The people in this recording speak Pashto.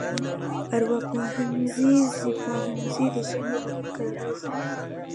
ارواپوهنیزه ژبپوهنه د ژبې او فکر اغېزې څېړي